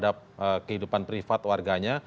ada petisi yang menolak pasal ini karena rentan